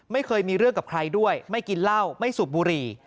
ไม่เคยมีเรื่องกับใครด้วยไม่กินเหล้าไม่สูบบุหรี่